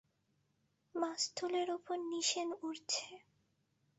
মাস্তুলের উপর নিশেন উড়ছে।